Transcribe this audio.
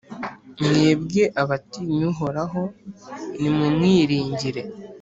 Mwebwe abatinya Uhoraho, nimumwiringire,